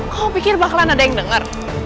kau pikir bakalan ada yang denger